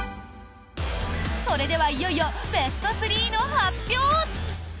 それではいよいよ、ベスト３の発表！